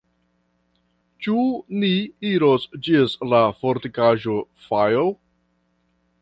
Ĉu ni iros ĝis la fortikaĵo File?